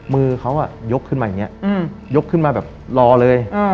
มือเขายกขึ้นมาอย่างนี้ยกขึ้นมาแบบรอเลย